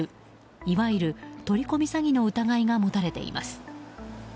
いわゆる取り込み詐欺の疑いが持たれています。